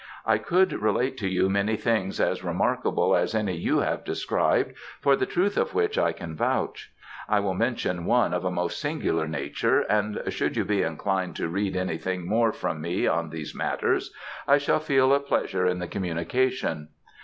I could relate to you many things as remarkable as any you have described, for the truth of which I can vouch. I will mention one of a most singular nature, and should you be inclined to read anything more from me on these matters, I shall feel a pleasure in the communication.